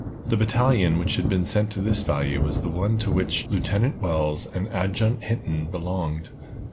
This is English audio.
The battalion which had been sent to this valley was the one to which Lieutenant Wells and Adjutant Hinton belonged.